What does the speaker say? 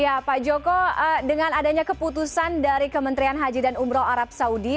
ya pak joko dengan adanya keputusan dari kementerian haji dan umroh arab saudi